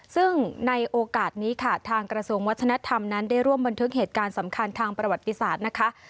ซึ่งในโอกาสนี้ค่ะทางกระทรวงวัฒนธรรมนั้นได้ร่วมบันทึกเหตุการณ์สำคัญทางประวัติศาสตร์นะคะ